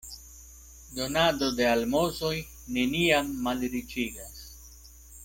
Donado de almozoj neniam malriĉigas.